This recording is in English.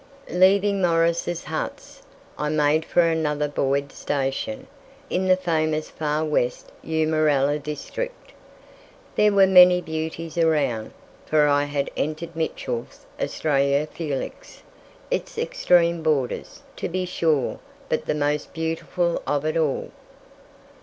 Leaving Morris's huts, I made for another Boyd station, in the famous far west Eumerella district. There were many beauties around, for I had entered Mitchell's "Australia Felix" its extreme borders, to be sure, but the most beautiful of it all.